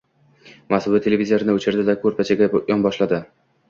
Maʼsuma televizorni oʼchirdi-da, koʼrpachaga yonboshladi.